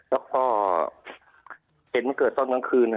แล้วก็เห็นมันเกิดตอนกลางคืน